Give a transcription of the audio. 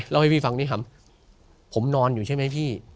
ให้พี่ฟังนี่ครับผมนอนอยู่ใช่ไหมพี่